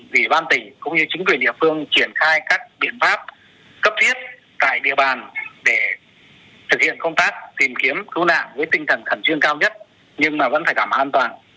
ủy ban tỉnh cũng như chính quyền địa phương triển khai các biện pháp cấp thiết tại địa bàn để thực hiện công tác tìm kiếm cứu nạn với tinh thần khẩn trương cao nhất nhưng mà vẫn phải đảm bảo an toàn